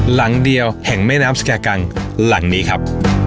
หลังเดียวแห่งแม่น้ำสแก่กังหลังนี้ครับ